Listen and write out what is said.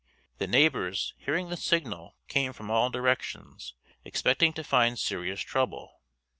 The neighbors hearing the signal came from all directions, expecting to find serious trouble.